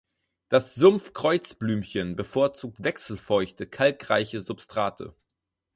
Das Sumpf-Kreuzblümchen bevorzugt wechselfeuchte, kalkreiche Substrate.